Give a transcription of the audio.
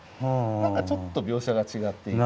何かちょっと描写が違っていて。